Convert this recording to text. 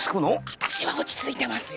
あたしは落ち着いてますよ。